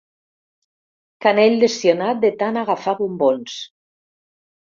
Canell lesionat de tant agafar bombons.